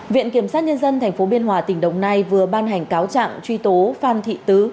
viện kiểm sát nhân dân tp biên hòa tỉnh đồng nai vừa ban hành cáo trạng truy tố phan thị tứ